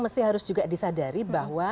mesti harus juga disadari bahwa